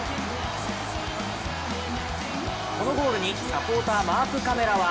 このゴールにサポーターマークカメラは